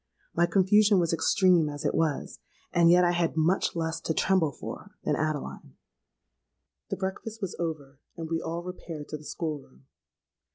My confusion was extreme as it was; and yet I had much less to tremble for than Adeline. "The breakfast was over; and we all repaired to the school room.